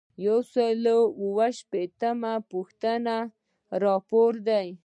یو سل او اووه شپیتمه پوښتنه راپور دی.